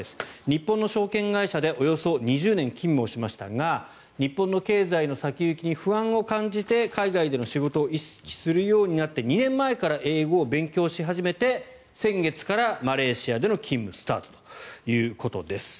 日本の証券会社でおよそ２０年勤務しましたが日本の経済の先行きに不安を感じて海外での仕事をするようになって２年前から英語を勉強し始めて先月からマレーシアでの勤務スタートということです。